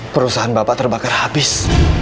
perusahaan bapak terbakar habis